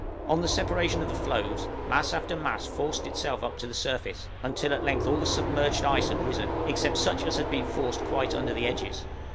On the separation of the floes, mass after mass forced itself up to the surface, until at length all the submerged ice had risen, except such as had been forced quite under their edges.